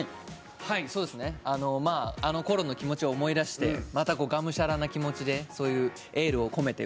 あのころの気持ちを思い出してがむしゃらな気持ちでそういうエールを込めて